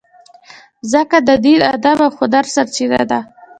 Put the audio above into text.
مځکه د دین، ادب او هنر سرچینه ده.